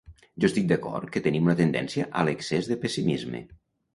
Jo estic d’acord que tenim una tendència a l’excés de pessimisme.